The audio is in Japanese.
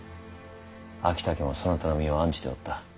昭武もそなたの身を案じておった。